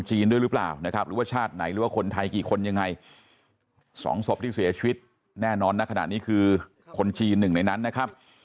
ด้วยหรือเปล่านะครับหรือว่าชาติไหนหรือว่าคนไทยกี่คนยังไงสองศพที่เสียชีวิตแน่นอนณขณะนี้คือคนจีนหนึ่งในนั้นนะครับ